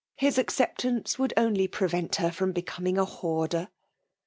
Us acceptance would cmly prevent her hom heeramg a hoarder.